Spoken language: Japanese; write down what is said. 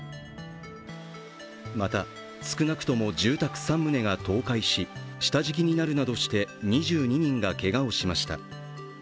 また、少なくとも住宅３棟が倒壊し下敷きになるなどして２２人がけがをしました。